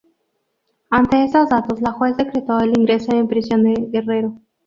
Ante estos datos, la juez decretó el ingreso en prisión de Guerrero.